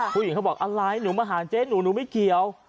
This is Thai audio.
ผู้หญิงเขาบอกอะไรหนูมาหาเจ๊หนูหนูไม่เกี่ยว